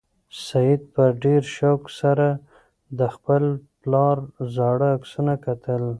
سعید په ډېر شوق سره د خپل پلار زاړه عکسونه کتل.